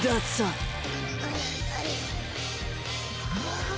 あっ。